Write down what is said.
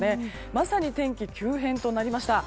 まさに天気急変となりました。